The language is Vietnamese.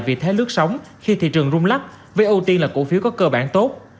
vì thế lước sống khi thị trường rung lắc với ưu tiên là cổ phiếu có cơ bản tốt